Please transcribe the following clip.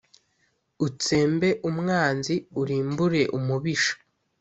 utsembe umwanzi, urimbure umubisha.